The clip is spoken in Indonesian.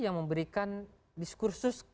yang memberikan diskursus